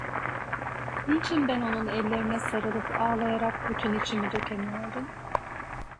Niçin ben onun ellerine sarılıp ağlayarak bütün içimi dökemiyordum?